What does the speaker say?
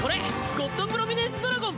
ゴッドプロミネンスドラゴン。